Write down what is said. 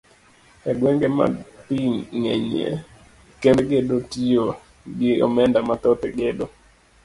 E gwenge ma pii ng'enyie, kembe gedo tiyo gi omenda mathoth e gedo.